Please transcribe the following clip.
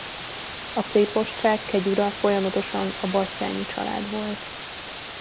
A prépostság kegyura folyamatosan a Batthyány család volt.